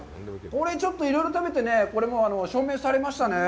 これ、ちょっといろいろ食べてね、証明されましたね。